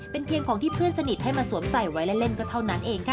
เป็นเพียงของที่เพื่อนสนิทให้มาสวมใส่ไว้และเล่นก็เท่านั้นเองค่ะ